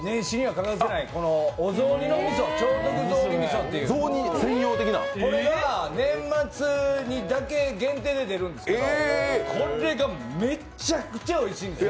そこの超特ぞうに味噌、年末にだけ限定で出るんですけど、これがめっちゃくちゃおいしいんですよ。